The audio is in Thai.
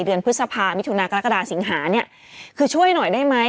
เดือนพฤศภามริถุนากลคดาสิงหาเนี่ยคือช่วยหน่อยได้มั้ย